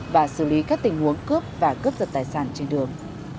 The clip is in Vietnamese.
và xử lý các tình huống cướp và cướp giật tài sản trên đường